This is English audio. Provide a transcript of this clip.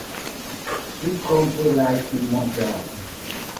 He currently lives in Montreal.